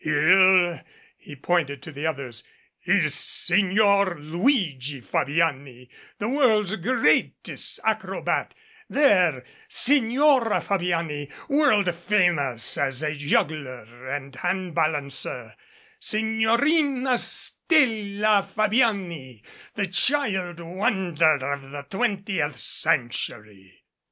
Here," and he pointed to the others, "is Signor Luigi Fabiani, the world's greatest acrobat ; there Signora Fabiani, world famous as a juggler and hand MADCAP balancer; Signorina Stella Fabiani, the child wonder of the twentieth century."